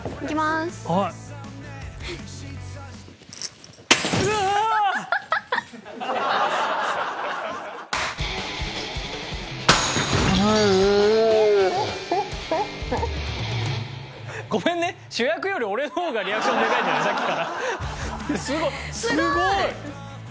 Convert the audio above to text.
すごーい！